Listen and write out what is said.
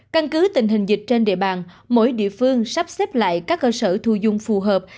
căn cứ tình hình dịch trên địa bàn mỗi địa phương sắp xếp lại các cơ sở thu dung phù hợp